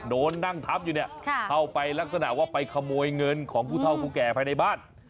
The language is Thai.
โดนนั่งทับอยู่เนี่ยเข้าไปลักษณะว่าไปขโมยเงินของผู้เท่าผู้แก่ภายในบ้าน